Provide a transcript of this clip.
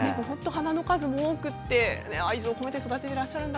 花の数も多くて愛情こめて育てていらっしゃる。